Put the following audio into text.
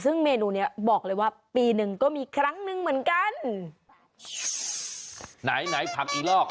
ซึ่งเมนูเนี้ยบอกเลยว่าปีหนึ่งก็มีครั้งหนึ่งเหมือนกันไหนไหนผักอีลอก